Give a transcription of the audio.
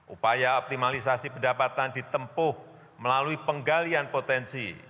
upaya optimalisasi pendapatan ditempuh melalui penggalian potensi